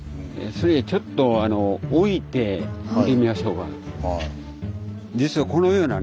それではちょっと置いて見てみましょうか。